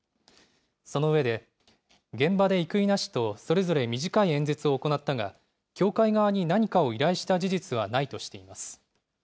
その上で、現場で生稲氏と、それぞれ短い演説を行ったが、教会側に何かを依頼した事実はないとしています。